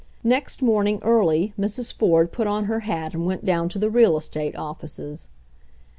Next morning early Mrs. Ford put on her hat and went down to the real estate offices.